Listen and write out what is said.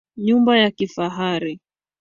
Nyumba ya kifahari